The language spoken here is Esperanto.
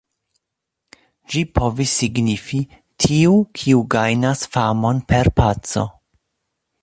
Ĝi povis signifi: "tiu, kiu gajnas famon per paco".